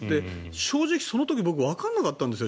正直その時僕、わからなかったんですよ